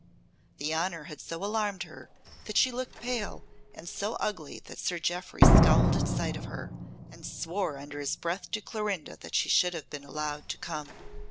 The honour had so alarmed her, that she looked pale, and so ugly that Sir Jeoffry scowled at sight of her, and swore under his breath to Clorinda that she should have been allowed to come.